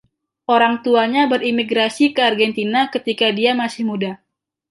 Orang tuanya berimigrasi ke Argentina ketika dia masih muda.